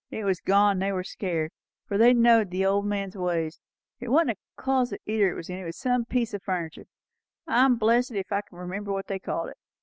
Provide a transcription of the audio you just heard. It was gone, and they were scared, for they knowed the old gentleman's ways. It wasn't a closet either it was in, but some piece o' furniture; I'm blessed ef I can remember what they called it.